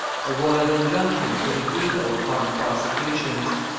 A royal injunction put a veto upon the prosecutions.